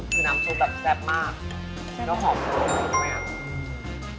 คือน้ำโซ่แบบแซ่บมากแล้วหอมแซ่บมากด้วยอะ